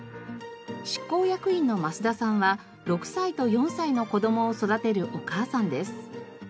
執行役員の増田さんは６歳と４歳の子供を育てるお母さんです。